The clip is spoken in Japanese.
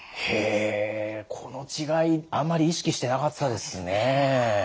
この違いあんまり意識してなかったですね。